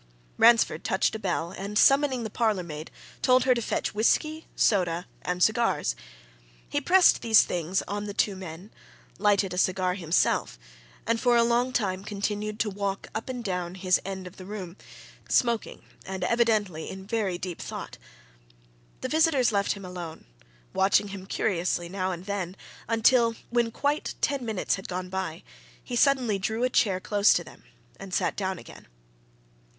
Ransford touched a bell and summoning the parlourmaid told her to fetch whisky, soda, and cigars. He pressed these things on the two men, lighted a cigar himself, and for a long time continued to walk up and down his end of the room, smoking and evidently in very deep thought. The visitors left him alone, watching him curiously now and then until, when quite ten minutes had gone by, he suddenly drew a chair close to them and sat down again.